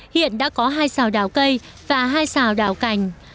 hiện đã có hai xào đào cây và hai xào đào cành